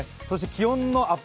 気温のアップ